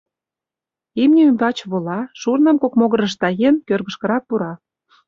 Имне ӱмбач вола, шурным кок могырыш таен, кӧргышкырак пура.